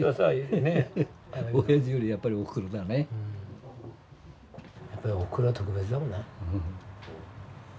やっぱりおふくろは特別だもんな。